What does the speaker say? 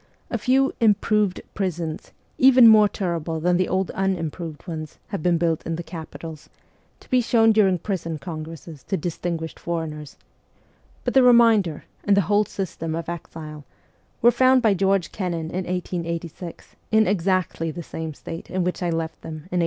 A few ' improved ' prisons, even more terrible than the old unimproved ones, have been built in the capitals, to be shown during prison congresses to distinguished foreigners ; but the remainder, and the whole system of exile, were found by George Kennan in 1886 in exactly the same state in which I left them in 1862.